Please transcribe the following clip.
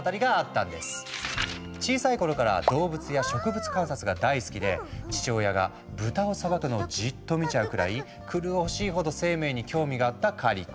小さい頃から動物や植物観察が大好きで父親が豚をさばくのをじっと見ちゃうくらい狂おしいほど生命に興味があったカリコ。